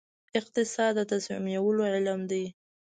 اقتصاد د تصمیم نیولو علم دی